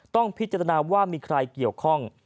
ต้องพิจารณาว่ามีใครเกี่ยวข้อง